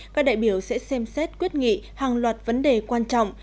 các đại biểu sẽ xem xét quyết nghị hàng loạt vấn đề quan trọng